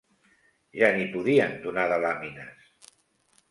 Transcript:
Ja n'hi podien donar de làmines